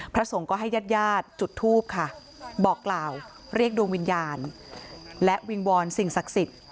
พระสงฆ์ก็ให้ญาติญาติจุดทูปค่ะบอกกล่าวเรียกดวงวิญญาณและวิงวอนสิ่งศักดิ์สิทธิ์